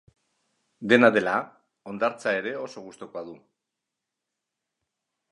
Dena dela, hondartza ere oso gustukoa du.